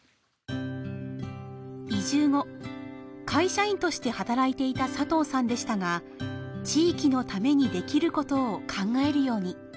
移住後会社員として働いていた佐藤さんでしたが地域のためにできることを考えるように。